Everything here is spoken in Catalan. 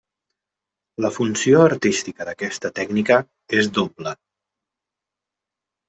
La funció artística d'aquesta tècnica és doble.